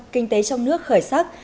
kinh tế trong nước khởi sắc